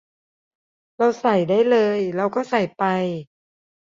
เราใส่ได้เลย เราก็ใส่ไป